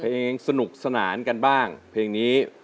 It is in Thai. สนุกสนานกันบ้างเพลงนี้